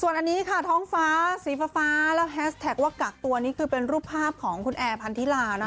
อันนี้ค่ะท้องฟ้าสีฟ้าแล้วแฮสแท็กว่ากักตัวนี่คือเป็นรูปภาพของคุณแอร์พันธิลา